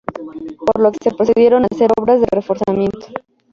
Por lo que se procedieron a hacer obras de reforzamiento.